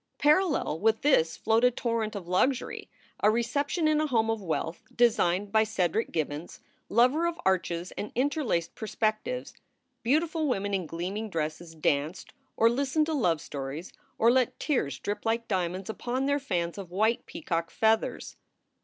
Parallel with this flowed a torrent of luxury, a reception in a home of wealth, designed by Cedric Gibbons, lover of arches and interlaced perspectives; beautiful women in gleaming dresses danced or listened to love stories or let tears drip like diamonds upon their fans of white peacock feathers.